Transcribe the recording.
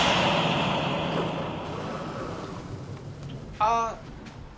あっ！